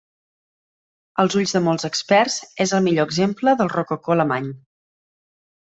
Als ulls de molts experts, és el millor exemple del rococó alemany.